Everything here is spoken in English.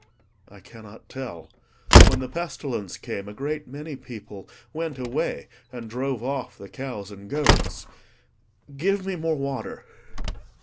"I cannot tell. When the pestilence came, a great many people went away, and drove off the cows and goats. Give me more water!"